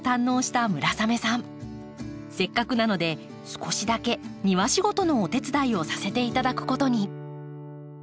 せっかくなので少しだけ庭仕事のお手伝いをさせていただくことに。